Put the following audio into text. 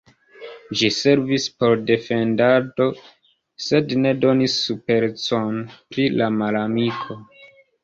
Ĝi servis por defendado, sed ne donis superecon pri la malamiko.